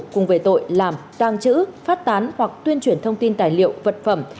cùng về tội làm tăng chữ phát tán hoặc tuyên truyền thông tin tài liệu vật phẩm